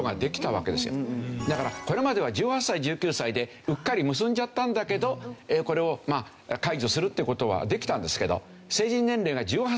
だからこれまでは１８歳１９歳でうっかり結んじゃったんだけどこれを解除するっていう事はできたんですけど。